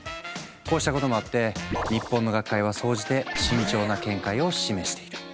こうしたこともあって日本の学会は総じて慎重な見解を示している。